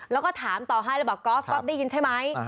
แล้วก็ถามต่อให้แล้วแบบฟก๊อฟได้ยินใช่ไหม